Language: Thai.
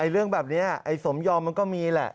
เรื่องแบบนี้ไอ้สมยอมมันก็มีแหละ